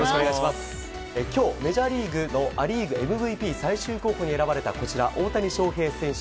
今日、メジャーリーグのア・リーグＭＶＰ最終候補に選ばれた大谷翔平選手。